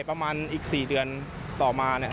ประมาณอีก๔เดือนต่อมา